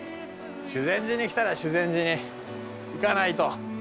修善寺に来たら修禅寺に行かないと。